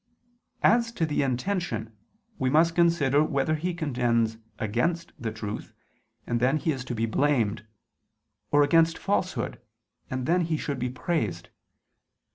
As to the intention, we must consider whether he contends against the truth, and then he is to be blamed, or against falsehood, and then he should be praised.